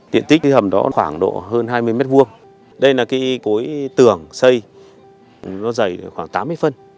tiện tích cái hầm đó khoảng độ hơn hai mươi m hai đây là cái cối tường xây nó dày khoảng tám mươi phân